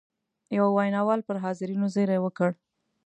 یوه ویناوال پر حاضرینو زېری وکړ.